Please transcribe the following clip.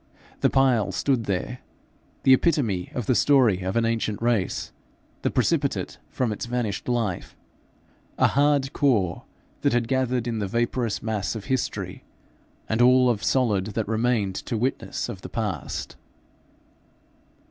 The pile stood there, the epitome of the story of an ancient race, the precipitate from its vanished life a hard core that had gathered in the vaporous mass of history the all of solid that remained to witness of the past.